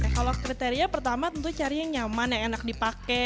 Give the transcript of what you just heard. kalau kriteria pertama tentu cari yang nyaman yang enak dipakai